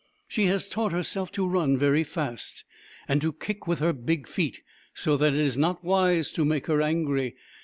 She has taught herself to run very fast, and to kick with her big feet, so that it is not wise to make her angry.